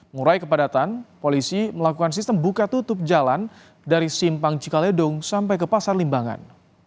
murai kepadatan polisi melakukan sistem buka tutup jalan dari simpang cikaledong sampai ke pasar limbangan